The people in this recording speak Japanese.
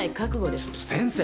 ちょっと先生。